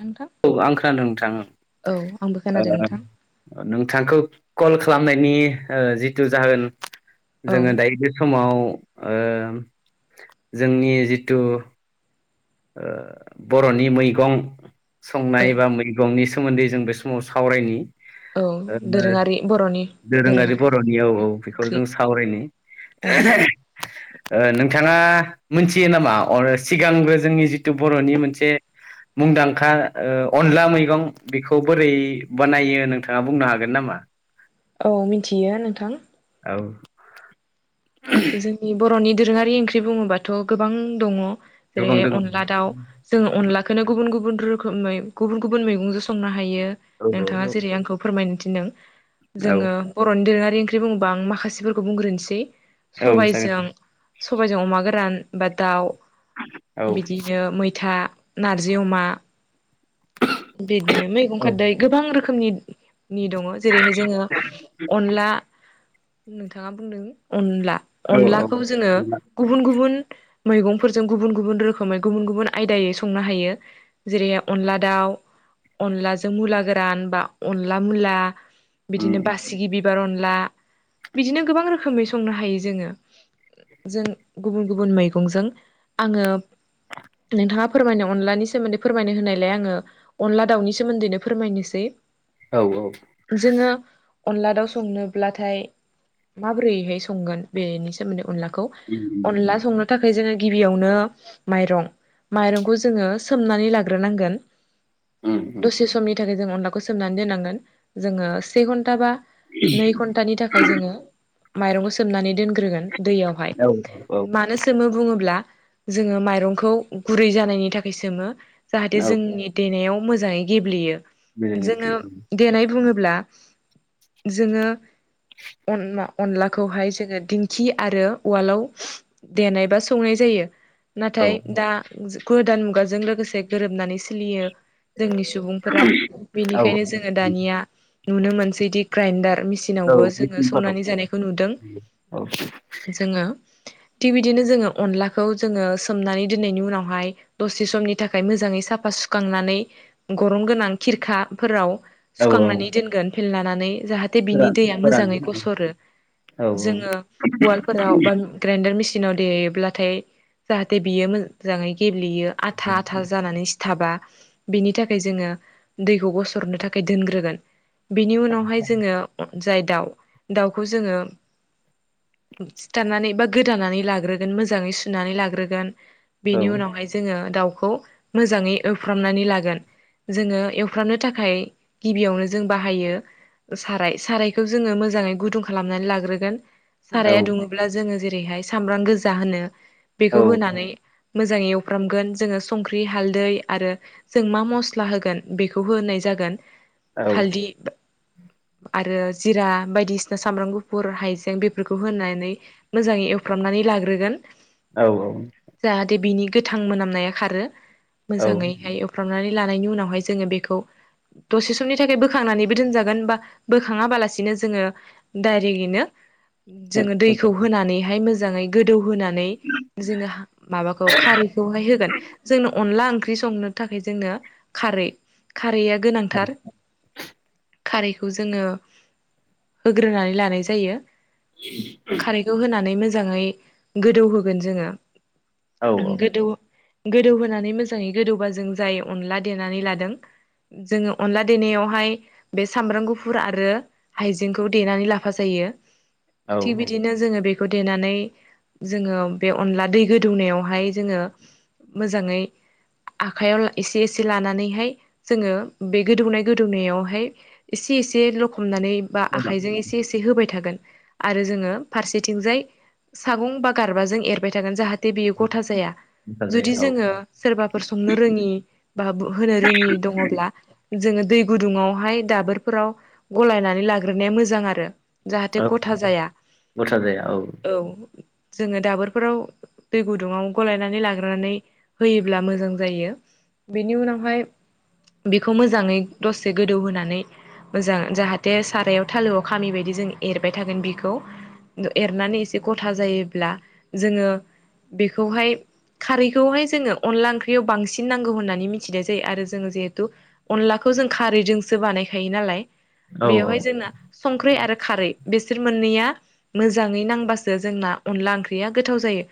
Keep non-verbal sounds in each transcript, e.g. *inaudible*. नोंथां औ आं खोनादों ओ नोंथां औ आंबो खोनादों नोंथां ओ नोंथांखौ कल खालामनायनि ओ जिथु जाहोन औ जोङो दायो बे समाव ओ जोंनि जिथु ओ बर'नि मैगं औ संनाय बा मैगंनि सोमोन्दै जों बे स माव सावरायनि औ ओ दोरोङारि बर'नि दोरोङारि बर'नि औ औ बेखौ ओंख्रि जों सावरायनि औ *unintelligible* ओ नोंथाङा मोनथियो नामा अर सिगांबो जोंनि जिथु बर'नि मोनसे मुंदांखा ओ अनला मैगं बेखौ बोरै बानायो नोंथाङा बुंनो हागोन नामा अ मिन्थियो नोंथां औ *unintelligible* जोंनि बर'नि दोरोङारि ओंख्रि बुङोबाथ' गोबां दङ गोबां जेरैहाय दङ औ अनला दाउ जोङो अनलाखोनो गुबुन गुबुन रोखोमै गुबुन गुबुन मैगंजों संनो हायो औ नोंथाङा जेरै आंखौ फोरमायनो थिनदों औ औ जोङो बर'नि दोरोङारि ओंख्रि बुङोबा आं माखासेफोरखौ बुंग्रोनोसै औ जागोन सबायजों सबायजों अमा गोरान बा दाउ औ बिदियैनो मैथा नारजि अमा बिदिनो मैगं औ खोदै गोबां रोखोमनि नि दङ जेरैहाय जोङो अनला नोंथाङा बुंदों अनला औ अनलाखौ जोङो उम गुबुन गुबुन मैगंफोरजों गुबुन गुबुन रोखोमै गुबुन गुबुन आयदायै संनो हायो जेरै अनला दाउ अनलाजों मुला गोरान बा अनला मुला बिदिनो बासिगि बिबार अनला बिदिनो गोबां रोखोमै संनो हायो जोङो जों गुबुन-गुबुन मैगंजों आङो नोंथाङा फोरमायनो अनलानि सोमोन्दै फोरमायनो होननायलाय आङो अनला दाउनि सोमोन्दैनो फोरमायनोसै औ जोङो अनला दाउ संनोब्लाथाय माबोरैहाय संगोन बेनि सोमोन्दै अनलाखौ उम अनला संनो थाखाय जोङो गिबियावनो माइरं माइरंखौ जोङो सोमनानै लाग्रोनांगोन उम उम दसे समनि थाखाय जों अनलाखौ सोमनानै दोननांगोन जोङो से घन्टा बा नै घन्टानि थाखाय जोङो माइरंखौ सोमनानै दोनग्रोगोन दैयाव हाय औ औ मानो सो सोमो बुङोब्ला जोङो माइरंखौ गुरै जानायनि थाखाय सोमो जाहाथे औ जोंनि देनायाव मोजाङै गेब्लेयो मेलेमनिफ्रि जोङो औ देनाय बुङोब्ला जोङो अन अनलाखौहाय जोङो दिंखि आरो उवालाव देनाय बा सौनाय जायो औ नाथाय दा जो गोदान मुगाजों लोगोसे गोरोबनानै सोलियो जोंनि सुबुंफोरा औ बेनिखायनो जोङो दानिया नुनो मोनसैदि ग्राइन्डार औ मेसिनावबो जोङो मेचिनफोराव सौनानै औ जानायखौ नुदों *inaudible* जोङो थिग बिदिनो जोङो अनलाखौ जोङो सोमनानै दोननायनि उनावहाय दसे समनि थाखाय मोजाङै साफा सुखांनानै गरन गोनां खिरखाफोराव औ औ सुखांनानै दोनगोन फेललानानै जाहाथे थे बिनि फोरान दैया फोरान मोजाङै औ गसरो औ औ औ जोङो उवालफोराव बा ग्राइन्डार मेसिनाव देयोब्लाथाय जाहाथे बियो मोजाङै गेब्लेयो आथा आथा जानानै सि थाबा बेनि थाखाय जोङो दैखौ गसरनो थाखाय दोनग्रोगोन बिनि उनावहाय जोङो जाय दाउ दाउखौ जोङो सिथारनानै बा गोदानानै लाग्रोगोन मोजाङै सुनानै लाग्रोगोन बेनि उनावहाय जोङो दाउखौ मोजाङै एफ्रामनानै लागोन जोङो एवफ्रामनो थाखाय गिबियावनो जों बाहायो साराय सारायखौ जोङो मोजाङै गुदुं खालामनानै लाग्रोगोन साराया दुङोब्ला जोङो जेरैहाय सामब्राम गोजा होनो बेखौ औ होनानै मोजाङै एवफ्रामगोन जोङो संख्रि हालदै आरो जों मा मस्ला होगोन बेखौ होनाय जागोन हालदि आरो जिरा बायदिसिना सामब्राम गुफुर हाइजें बे बेफोरखौ होनानै मोजाङै एवफ्रामनानै लाग्रोगोन औ औ जाहाथे बिनि गोथां मोनामनाया खारो मोजाङैहाय फ्रामनानै लानायनि उनावहाय जोङो बेखौ दसे समनि थाखाय बोखांनानैबो दोनजागोन बा बोखाङाबालासिनो जोङो डायरेक्टैनो जोङो दैखौ होनानैहाय मोजाङै गोदौ होनानै जोङो माबाखौ खारैखौ होगोन जोंनो अनला ओं ख्रि संनो थाखाय जोंनो खारै खारैया गोनांथार खारैखौ जोङो होग्रोनानै लानाय जायो *inaudible* खारैखौ होनानै मोजाङै गोदौहोगोन जोङो गथा गोदौ गोदौहोनानै मोजाङै गोदौबा जों जाय अनला देनानै लादों जोङो अनला देनायावहाय बे सामब्राम गुफुर आरो हाइजेंखौ देनानै लाफा जायो थि बिदिनो जोङो बे बेखौ देनानै जोङो बे अनला दै गोदौनायावहाय जोङो मोजाङै आखायाव एसे एसे लानानैहाय जोङो बे गोदौनाय गोदौनायावहाय एसे एसे लखमनानै बा आखाइजों एसे एसे होबाय थागोन। आरो जोङो फारसेथिंजाय सागं बा गारबाजों एरबाय थागोन जाहाथ जे बियो गथा जाया जुदि जाया औ जोङो सोरबाफोर संनो रोङि बा बु होनो रोङि दङब्ला जोङो दै गुदुङावहाय दाबोरफोराव गलायनानै लाग्रोनाया मोजां आरो औ जाहाथे ग था जाया गथा जाया औ जोङो दाबोरफोराव दै गुदुङाव गलायनानै लाग्रानानै होयोब्ला मोजां जायो बेनि उनावहाय बेखौ मोजाङै दसे गोदौ होनानै मोजां जाहाथे सारायाव थालोआव खामि बायदि जों एर बाय थागोन बेखौ एरनानै एसे गथा जायोब्ला जोङो बेखौहाय खारैखौहाय जोङो अनला ओंख्रियाव बांसिन नांगौ होननानै मिथिनाय जायो आरो जोङो जिहेथु अनलाखौ जों खारैजोंसो बानायखायो नालाय औ बेवहाय जोंना संख्रि आरो खारै। बेसोर मोननैया मोजाङै नांबासो जोंना अनला ओंख्रिया गोथाव जायो‌।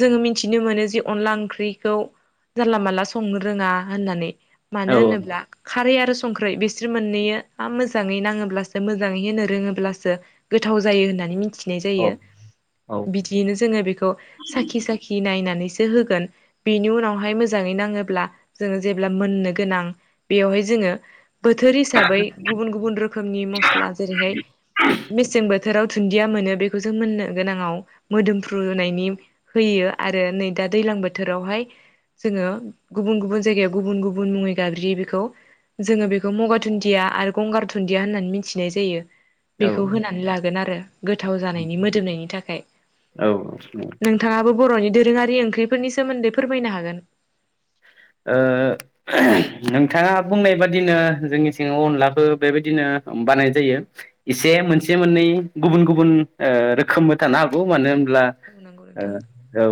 जोङो मिथिनो मोनो जे अनला ओंख्रिखौ जानला मानला संनो रोङा होननानै। औ मानो औ होनोब्ला खारै आरो संख्रिरै बिसोर मोननैयो मोजाङै नाङोब्लासो मोजाङै होनो रोङोब्लासो गोथाव जायो होननानै मिथिनाय जायो बिदियैनो जोङो बेखौ साखि साखि नायनानैसो होगोन‌। बेनि उनावहाय मोजाङै नाङोब्ला जोङो जेब्ला मोननो गोनां बेयावहाय जोङो बोथोर हिसाबै गुबुन गुबुन रोखोमनि मस्ला जेरैहाय मेसें बोथोराव दुन्दिया मोनो बेखौ जों मोननो गोनाङाव मोदोमफ्रुनायनि होयो आरो नै दा दैलां बोथोरावहाय जोङो गुबुन गुबुन जायगायाव गुबुन गुबुन मुङै गाबज्रियो बेखौ। जोङो बेखौ मगा दुन्दिया आरो गंगार दुन्दिया होननानै मिथिनाय जायो। बेखौ होनानै लागोन आरो गोथाव जानायनि मोदोमनायनि थाखाय औ औ नों थाङाबो बर'नि दोरोङारि ओंख्रिफोरनि सोमोन्दै फोरमायनो हागोन। ओ नोंथाङा बुंनाय बादिनो जोंनि सिङाव अनलाखो बेबायदिनो बानाय जायो। इसे मोनसे मोननै गुबुन गुबुन ओ रोखोमबो थानो हागौ मानो होनब्ला औ नंगौ ओ नोंथां औ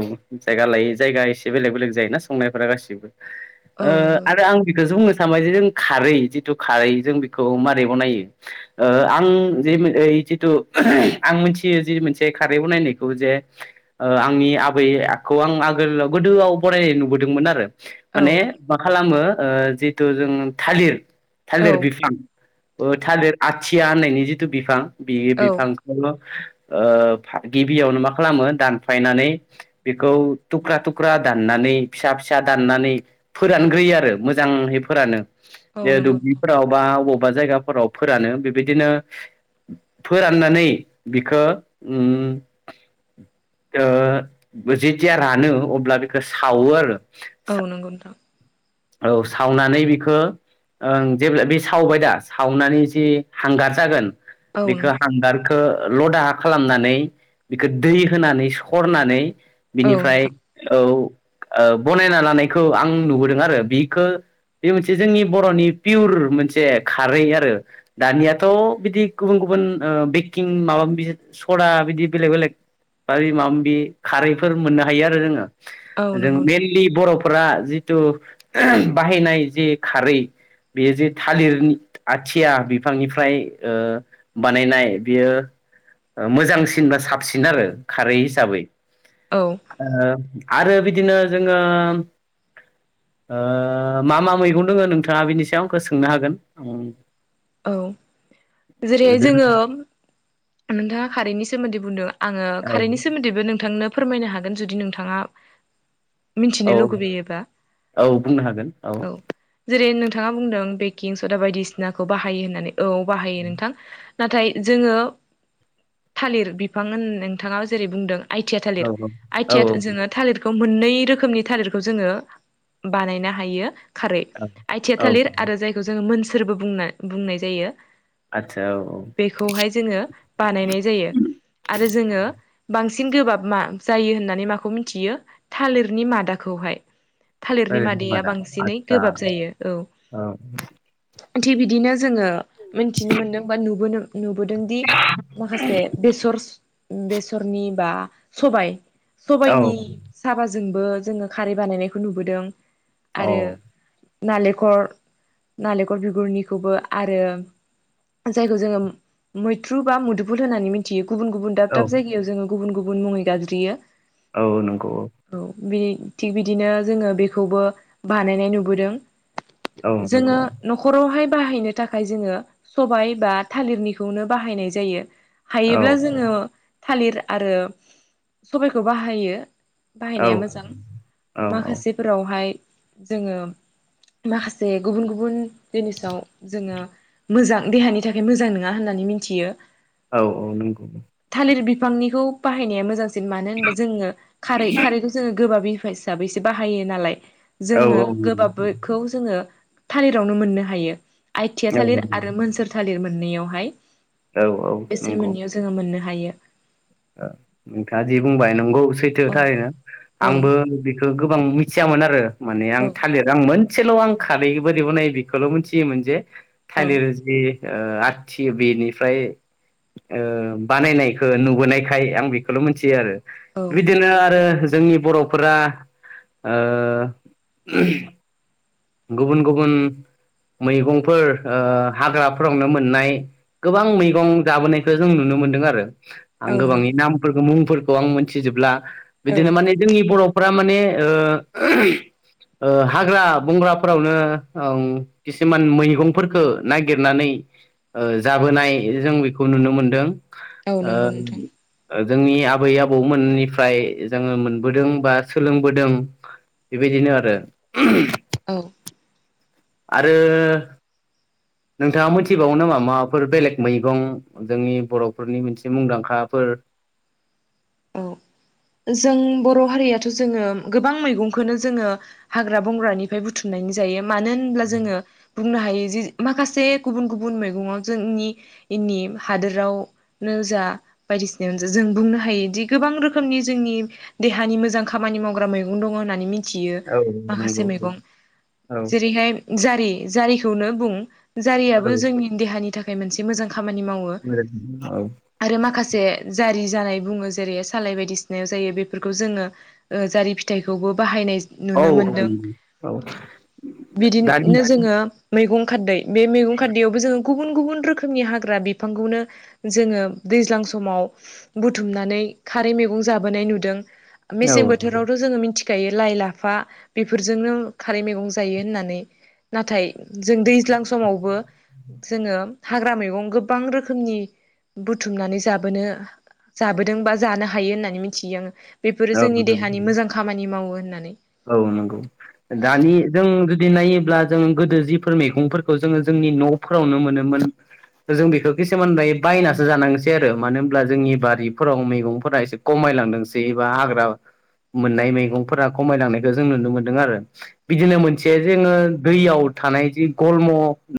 जायगा लायै जायगा एसे बेलेग बेलेग जायोना संनायफोरा गासिबो। औ ओ नंगौ आरो आं बेखोसो बुंनो सानबाय जे जों खारै जिथु खारै जों बेखौ मारै बनायो। ओ आं जिओ जिथु आं मिथियो जि मोनसे खारै बनायनायखौ जे ओ आंनि आबै आखौ आं आगोलाव गोदोआव फरायनाय नुबोद दोंमोन आरो औ माने मा खालामो जिथु जों थालिर औ थालिर बिफां ओ थालिर आथिया होननायनि जिथु बिफां बे औ बिफांख ओ गिबियावनो मा खालामो दानफायनानै बिखौ थुख्रा थुख्रा दाननानै फिसा फिसा दाननानै फोरानग्रोयो आरो मोजांहै फोरानो औ बे नंगौ नोंथां दुब्लिफोराव बा अबावबा जायगाफोराव फोरानो बेबायदिनो फोराननानै बिखो उम ओ जेथिया रानो अब्ला बेखौ सावो आरो। औ नंगौ नोंथां। औ सावनानै बिखो ओं जेब्ला बे सावबाय दा सावनानै जि हांगार जागोन औ बेखो नंगौ हांगार खो लदा खालामनानै बिखो दै होनानै सरनानै औ बिनिफ्राय नोंथां औ ओ बनायना लानायखौ आं नुबोदों आरो बिखौ। बे मोनसे जोंनि बर'नि पियुर मोनसे खारै आरो। दानियाथ' बिदि गुबुन गुबुन ओ बेकिं माबा बिजिद सदा बिदि बेलेग बेलेग आरि मामबि खारैफोर मोननो हायो आरो जोङो। औ जों नंगौ नोंथां मेनलि बर'फोरा जिथु बाहायनाय जि खारै बेयो जे थालिरनि आथिया बिफांनिफ्राय ओ बानायनाय बियो मोजांसिन बा साबसिन आरो खारै हिसाबै। औ। ओ आरो बिदिनो जोङो ओ मा मा मैगं दोङो नोंथाङा बेनि सायाव आंखौ सोंनो हागोन उम। औ जेरैहाय जोङो नोंथाङा खारैनि सोमोन्दै बुंदों। आङो कारैनि सोमोन्दैबो नोंथांनो फोरमायनो हागोन जुदि नोंथाङा औ मिनथिनो लुगैयोबा औ बुंनो हागोन औ। जेरै नोंथाङा बुंदों बेकिं सदा बायदिसिनाखौ बाहायो होननानै औ बाहायो नोंथां। नाथाय जोङो थालिर बिफां होन नोंथाङा जेरै बुंदों आइटिया औ थालिर औ आइटिया जोङो थालिर खौ मोननै रोखोमनि थालिरखौ जोङो बानायनो हायो। खारै औ आइथिया औ थालिर आरो जायखौ जोङो मोनसोरबो बुंना बुंनाय जायो। आतसा औ औ। बेखौहाय जोङो बानायनाय जायो। आरो जोङो बांसिन गोबाब मा जायो होननानै माखौ मिथियो थालिरनि मादाखौहाय। थालिरनि ओरैनो मादाया मादा बांसिनै आदसा गोबाब जायो औ। थि बि दिनो जोङो मिनथिनो मोनदों बा नुबोदों नुबोदों दि माखासे बेसर बेसरनि बा सबाइ औ सबाइनि साबाजोंबो जोङो खारै बानायनायखौ नुबोदों। औ आरो नालेंखर नालेंखर बिगुरनिखौबो आरो जायखौ जोङो मैथ्रु बा मुदुफुल होननानै मिथियो गुबुन गुबुन दाब औ दाब जायगायाव जोङो गुबुन गुबुन मुङै गाबज्रियो। औ नंगौ औ। औ बि थिग बिदिनो जोङो बेखौबो बानायनाय नुबोदों। औ जोङो नंगौ न'खरावहाय बाहायनो थाखाय जोङो सबाय बा थालिरनिखौनो बाहायनाय जायो। औ हायोब्ला जोङो थालिर आरो सबायखौ बाहायो। औ बाहायनाया मोजां। औ माखासे फोरावहाय जोङो माखासे गुबुन गुबुन जिनिसाव जोङो मोजां देहानि थाखाय मोजां नङा होननानै मिथियो। औ औ नंगौ। थालिर बिफांनिखौ बाहायनाया मोजांसिन मानो होनबा जोङो खारै खारैखौ जोङो गोबाब बिफा हिसाबैसो बाहायो नालाय औ जोङो। गोबाबखौ जोङो थालिरावनो मोननो हायो आइटिआ थालिर आरो मोनसोर थालिर मोननैयावहाय। औ औ बेसोर मोनैयाव जोङो मोननो हायो। आ नोंथाङा जि बुंबाय नंगौ सैथो औ थारैनो। औ आंबो हो गोबां मिथियामोन आरो माने आं औ थालिर आं मोनसेल' आं खारै बोरै बनायो बेखौल' मिथियोमोन जे थालिर नि ओ आथि बेनिफ्राय ओ बानायनायखौ नुबोनाय थाय आं बेखौल' मिथियो आरो। औ बिदिनो आरो जोंनि बर'फोरा ओ गुबुन गुबुन मैगंफोर ओ हाग्राफोरावनो मोननाय गोबां मैगं जाबोनायखौ जों नुनो मोनदों आरो। आं औ गोबांनि नंगौ नामफोरखौ मुंफोरखौ आं मिथिजोबला औ बिदिनो माने जोंनि बर'फ्रा माने ओ ओ हाग्रा बंग्राफोरावनो ओं खिसुमान मैगंफोरखौ नागिरनानै ओ जाबोनाय जों बेखौ नुनो मोनदों औ ओ नंगौ नोंथां ओ जोंनि आबै आबौमोननिफ्राय जोङो मोनबोदों बा सोलोंबोदों। बेबायदिनो आरो औ। आरो नोंथाङा मिथिबावो नामा माबाफोर बेलेग मैगं? जोंनि बर'फोरनि मोनसे मुंदांखाफोर औ *inaudible* जों बर हारियाथ जोङो गोबां मैगंखौनो जोङो हाग्रा बंग्रानि फ्राय बुथुमनानै जायो मानो होनब्ला जोङो बुंनो हायो जे माखासे गुबुन गुबुन मैगङाव जोंनि इनि हादोरावनो जा बायदिसिनायानो जा जों बुंनो हायो दि गोबां रोखोमनि जोंनि देहानि मोजां खामानि मावग्रा मैगं दङ होननानै मि थियो औ माखासे नंगौ मैगं औ जेरैहाय जारि जारिखौनो बुं औ जारियाबो जोंनि देहानि थाखाय मोनसे मोजां खामानि मावो। *inaudible* आरो माखासे जारि जानाय बुङो। जेरै सालाय बायदिसिनायाव जायो बेफोरखौ जोङो ओ जारि फिथाइखौबो बाहायनाय नुनो मोनदों औ औ औ नंगौ दानि बिदिनो जोङो मैगं खारदै बे मैगं खारदैयावबो जोङो गुबुन गुबुन रोखोमनि हाग्रा बिफांखौनो जोङो दैज्लां समाव बुथुमनानै खारै मैगं जाबोनाय नुदों औ मेसें बोथोरावथ जोङो मिथि खायो लाइ लाफा बेफोरजोंनो खारै मैगं जायो होननानै नाथाय जों दैज्लां समावबो जोङो हाग्रा मैगं गोबां रोखोमनि बुथुमनानै जाबोनो जाबोदों बा जानो हायो होननानै मिथियो आङो बेफोरो औ जोंनि देहानि मोजां खामानि मावो होननानै औ नंगौ। दानि जों जुदि नायोब्ला जों गोदो जिफोर मैगंफोरखौ जोङो जोंनि न फोरावनो मोनोमोन। जों बेखौ खिसुमान दायो बायनासो जानांसै आरो मानो होनब्ला जोंनि बारिफोराव मैगंफोरा एसे खमायलांदोंसै एबा हाग्रा मोननाय मैगंफोरा खमायलांनायखौ जों नुनो मोनदों आरो। बिदिनो मोनसे जोङो दैयाव थानाय जि गलम